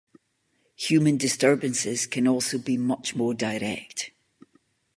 Human disturbances can also be much more direct.